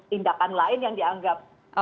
tindakan lain yang dianggap